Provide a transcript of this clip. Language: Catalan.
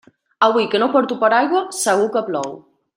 Avui que no porto paraigua segur que plou.